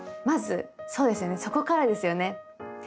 まずそうですよねそこからですよね！